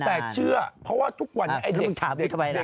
แต่เชื่อเพราะว่าทุกวันนี้